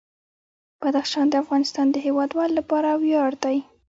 بدخشان د افغانستان د هیوادوالو لپاره ویاړ دی.